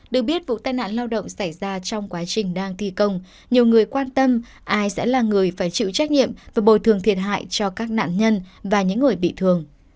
được biết vụ tai nạn lao động xảy ra trong quá trình đang thi công nhiều người quan tâm ai sẽ là người phải chịu trách nhiệm và bồi thường thiệt hại cho các nạn nhân và những người bị thương